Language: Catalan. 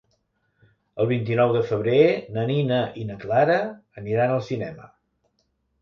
El vint-i-nou de febrer na Nina i na Clara aniran al cinema.